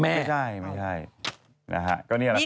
แม่ไม่ได้นะฮะก็นี่แหละครับ